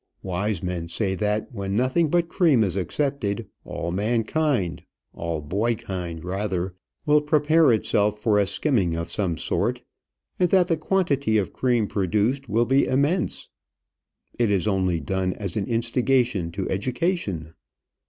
Wise men say that when nothing but cream is accepted, all mankind, all boykind rather, will prepare itself for a skimming of some sort; and that the quantity of cream produced will be immense. It is only done as an instigation to education.